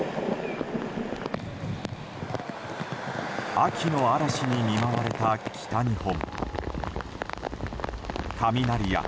秋の嵐に見舞われた北日本。